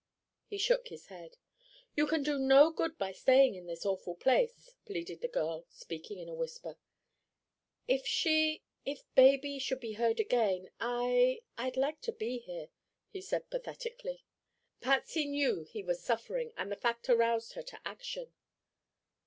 He shook his head. "You can do no good by staying in this awful place," pleaded the girl, speaking in a whisper. "If she—if baby—should be heard again, I—I'd like to be here," he said pathetically. Patsy knew he was suffering and the fact aroused her to action.